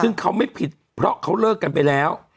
ซึ่งเขาไม่ผิดเพราะเขาเลิกกันไปแล้ว